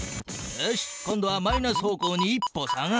よし今度はマイナス方向に１歩下がる。